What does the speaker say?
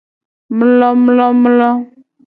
Mlomlomlo.